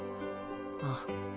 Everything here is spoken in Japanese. ああ。